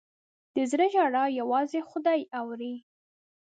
د زړه ژړا یوازې خدای اوري.